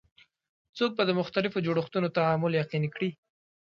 څوک به د مختلفو جوړښتونو تعامل یقیني کړي؟